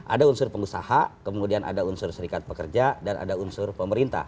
ada unsur pengusaha kemudian ada unsur serikat pekerja dan ada unsur pemerintah